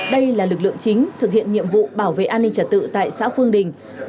đây là lực lượng chính thực hiện nhiệm vụ bảo vệ an ninh trật tự tại xã phương đình